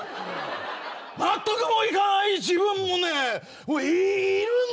納得もいかない自分もねいるんだよ。